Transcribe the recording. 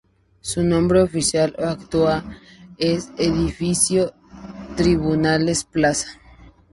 Su nombre oficial actual es Edificio Tribunales Plaza.